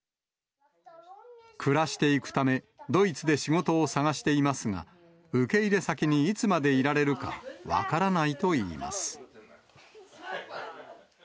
暮らしていくため、ドイツで仕事を探していますが、受け入れ先にいつまでいられるか、分から